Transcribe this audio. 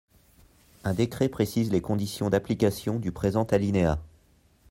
Un décret précise les conditions d’application du présent alinéa.